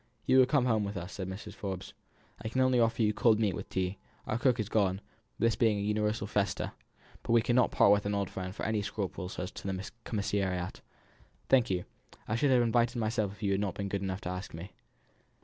"You will come home with us," said Mrs. Forbes. "I can only offer you cold meat with tea; our cook is gone out, this being a universal festa; but we cannot part with an old friend for any scruples as to the commissariat." "Thank you. I should have invited myself if you had not been good enough to ask me."